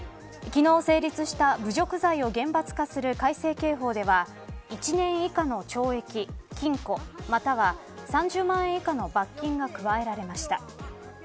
昨日成立した、侮辱罪を厳罰化する改正刑法では１年以下の懲役禁錮または３０万円以下の罰金が加えられました。